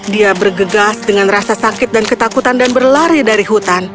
dia bergegas dengan rasa sakit dan ketakutan dan berlari dari hutan